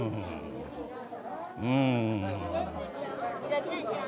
うん。